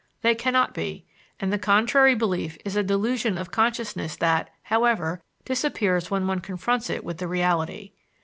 They cannot be; and the contrary belief is a delusion of consciousness that, however, disappears when one confronts it with the reality.